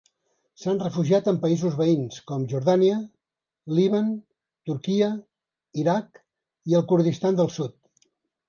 S'han refugiat en països veïns, com Jordània, Líban, Turquia, Iraq i el Kurdistan del Sud.